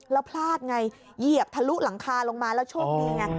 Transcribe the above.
แล้วพลาดไงเหยียบทะลุหลังคาลงมาแล้วโชคดีไง